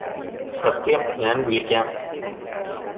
സത്യം ഞാന് വിളിക്കാം